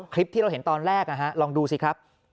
คลิปที่เราเห็นตอนแรกลองดูสิครับ